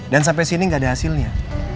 dan sampai sini ga ada hasilnya